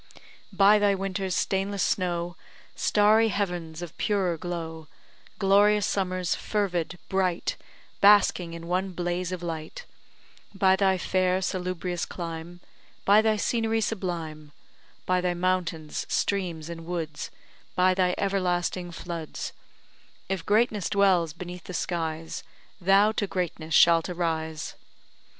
By thy winter's stainless snow, Starry heavens of purer glow, Glorious summers, fervid, bright, Basking in one blaze of light; By thy fair, salubrious clime; By thy scenery sublime; By thy mountains, streams, and woods; By thy everlasting floods; If greatness dwells beneath the skies, Thou to greatness shalt arise!